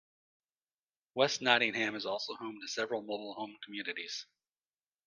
West Nottingham is also home to several mobile home communities.